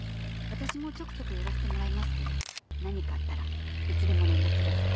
私もちょくちょく寄らせてもらいますけど何かあったらいつでも連絡ください。